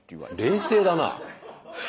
冷静だな。